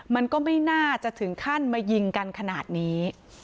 มันก็ไม่น่าจะถึงขั้นมายิงกันขนาดนี้